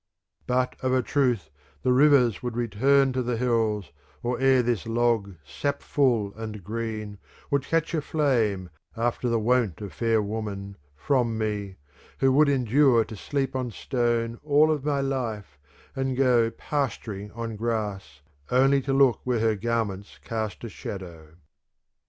But of a truth the rivers would return to the hills or e'er this log, sap full and green, would catch a flame (after the wont of fair woman) from me, who would endure to sleep on stone all of my life, and go pastur ing on grass, only to look where her garments cast a shadow.